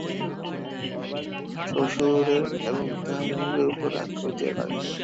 শ্বশুরের এবং তাঁহার মনিবের উপর রাগ হইতে লাগিল।